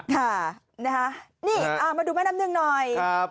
ค่ะนะฮะนี่มาดูแม่น้ำหนึ่งหน่อย